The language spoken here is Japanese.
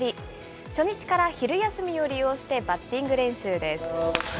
初日から昼休みを利用して、バッティング練習です。